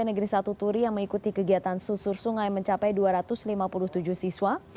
negeri satu turi yang mengikuti kegiatan susur sungai mencapai dua ratus lima puluh tujuh siswa